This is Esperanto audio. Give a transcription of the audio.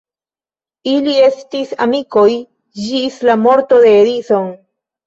Ili estis amikoj ĝis la morto de Edison.